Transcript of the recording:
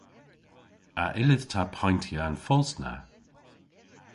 A yllydh ta payntya an fos na?